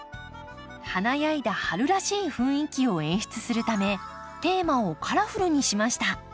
華やいだ春らしい雰囲気を演出するためテーマを「カラフル」にしました。